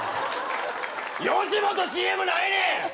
吉本ＣＭないねん！